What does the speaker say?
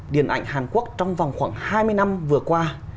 điện ảnh hàn quốc trong vòng khoảng hai mươi năm vừa qua